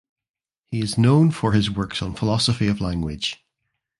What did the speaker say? He is known for his works on philosophy of language.